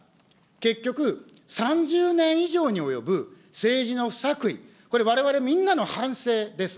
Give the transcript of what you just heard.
結局、３０年以上に及ぶ政治の不作為、これ、われわれみんなの反省です。